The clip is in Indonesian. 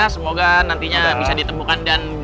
semoga nantinya bisa ditemukan dan